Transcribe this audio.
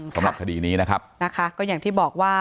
สำหรับคดีนี้นะครับนะคะก็อย่างที่บอกว่า